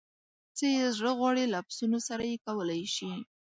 څه یې زړه غواړي له پسونو سره یې کولای شي.